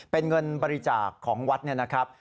เป็นเงินบริจาคของวัดเนี่ยนะครับ